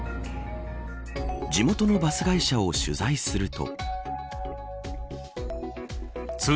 地元のバス会社を取材すると。